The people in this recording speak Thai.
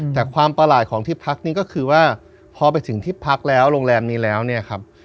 แต่ความประหลาดของที่พักนี้ก็คือว่าพอไปถึงที่พักแล้วโรงแรมนี้แล้วเนี่ยครับ